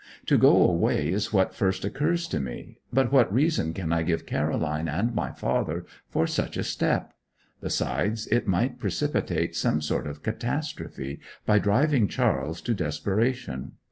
To go away is what first occurs to me, but what reason can I give Caroline and my father for such a step; besides, it might precipitate some sort of catastrophe by driving Charles to desperation.